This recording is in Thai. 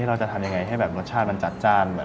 เราจะทำยังไงให้แบบรสชาติมันจัดจ้าน